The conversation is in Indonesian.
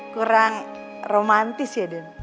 kurang romantis ya den